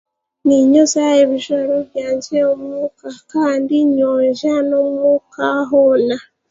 Niinyoza ebijwaro byangye omuuka kandi nyonja n'omuuka hoona